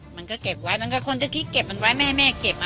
มันก็เก็บไว้มันก็คนจะคิดเก็บมันไว้ไม่ให้แม่เก็บ